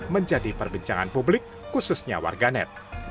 menjadi perbincangan publik khususnya warganet